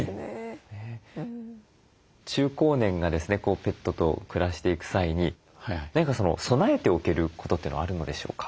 中高年がですねペットと暮らしていく際に何か備えておけることというのはあるのでしょうか？